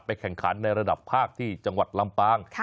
แข่งขันในระดับภาคที่จังหวัดลำปาง